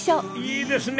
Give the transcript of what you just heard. いいですね！